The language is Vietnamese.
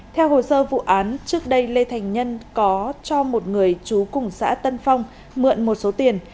theo hồ sơ vụ án trước đây lê thành nhân có cho một người trú cùng xã tân phong mượn một số tiền